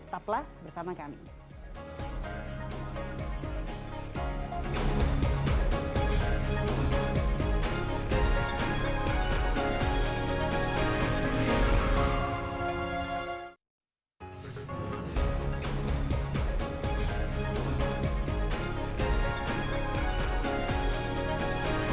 tetaplah bersama kami